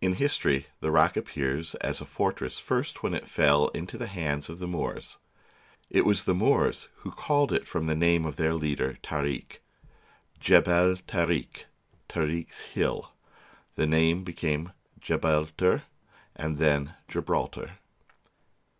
In history the rock appears as a fortress first when it fell into the hands of the Moors. It was the Moors who called it from the name of their leader, Tarik, " Geb el Tarik "— Tarik's Hill. This name became Gebeltar, and then Gibraltar.